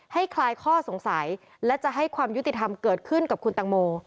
คลายข้อสงสัยและจะให้ความยุติธรรมเกิดขึ้นกับคุณตังโม